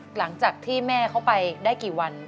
หลังจากที่แม่เขาไปได้กี่วัน